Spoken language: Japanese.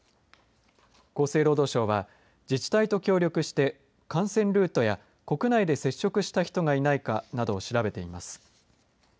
厚生労働省は自治体と協力して感染ルートや国内で接触した人がいないかなどを調べています。